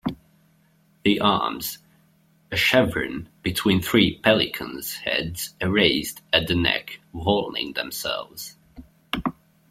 The arms: A chevron between three pelicans' heads erased at the neck vulning themselves.